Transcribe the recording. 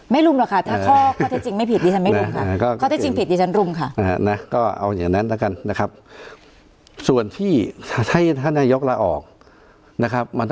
ไม่รุมหรูค่ะถ้าข้อก็ได้จริงไม่ผิดอย่างนั้นข้าก็ได้จริงผิดแล้วนายก็จนรุมค่ะ